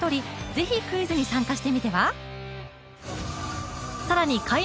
ぜひクイズに参加してみては？